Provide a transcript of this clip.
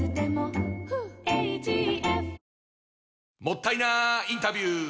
もったいなインタビュー！